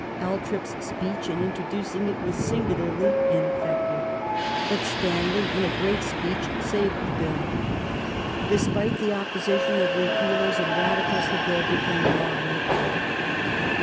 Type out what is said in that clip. Althorp's speech in introducing it was singularly ineffective ; but Stanley in a great speech saved the Bill. Despite the opposition of Repealers and Radicals the Bill became law in April.